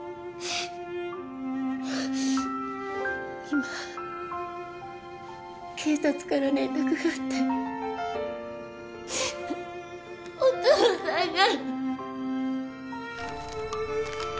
今警察から連絡があってお父さんが